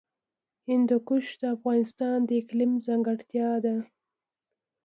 هندوکش د افغانستان د اقلیم ځانګړتیا ده.